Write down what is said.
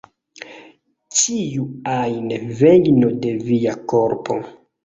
Ĉiu ajn vejno de via korpo".